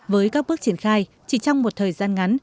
với các bước triển khai chỉ trong một thời gian ngắn